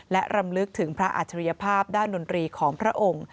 และรำลึกถึงพระอัจฉริยภาพด้านดนตรีของพระองค์